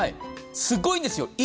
すっごいんですよ。